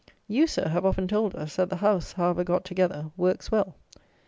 You, Sir, have often told us, that the HOUSE, however got together, "works well."